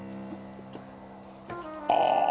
ああ。